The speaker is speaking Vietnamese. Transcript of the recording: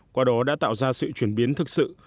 qua đó đã tạo ra sự chuyển biến thực sự